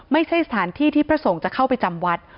ไม่ใช่สถานที่ที่พระสงฆ์จะเข้าไปจำวัด